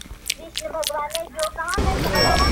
o د لور حالت لا خرابېږي او درد زياتېږي هره شېبه,